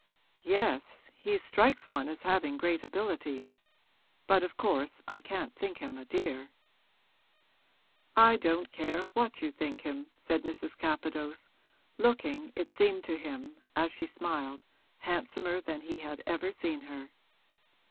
'Yes; he strikes one as having great ability. But of course I can't think him a dear.' 'I don't care what you think him!' said Mrs. Capadose, looking, it seemed to him, as she smiled, handsomer than he had ever seen her.